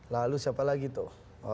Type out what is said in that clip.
lalu siapa lagi tuh